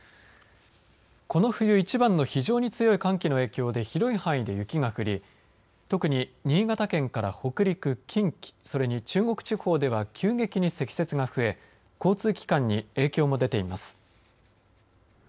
この冬一番の非常に強い寒気の影響で広い範囲で雪が降り特に新潟県から北陸、近畿それに中国地方では急激に積雪が増え交通機関に影響も出ています。